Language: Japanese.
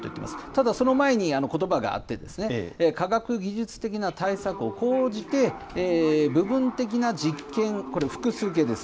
ただ、その前にことばがあって、科学技術的な対策を講じて、部分的な実験、これ、複数形です。